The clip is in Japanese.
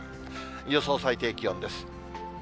予想最低気温です。